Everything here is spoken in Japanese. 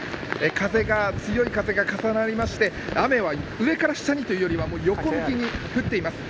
風が強い風が重なって、雨が上から下にというよりは横向きに降っています。